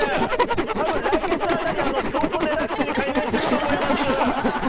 たぶん来月あたりキョウコ・デラックスに改名すると思います。